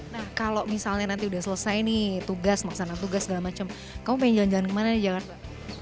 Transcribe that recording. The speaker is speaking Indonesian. nah kalau misalnya nanti udah selesai nih tugas maksana tugas segala macem kamu pengen jalan jalan kemana nih jakarta